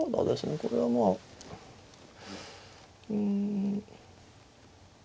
これはまあうん。